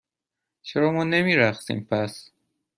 چرا ما نمی رقصیم، پس؟